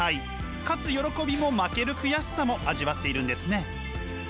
勝つ喜びも負ける悔しさも味わっているんですね。